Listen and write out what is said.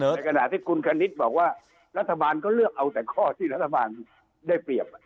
เอาสักข้ออันเลยข้อเสนอในกระดาษที่คุณคณิตบอกว่ารัฐบาลก็เลือก